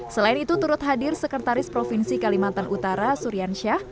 selain itu turut hadir sekretaris provinsi kalimantan utara suriyadzim